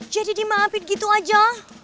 jadi di maafin gitu aja